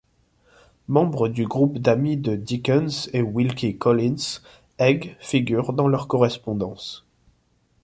Membre du groupe d'ami de Dickens et Wilkie Collins, Egg figure dans leur correspondance.